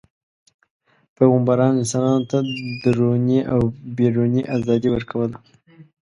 پیغمبران انسانانو ته دروني او بیروني ازادي ورکوله.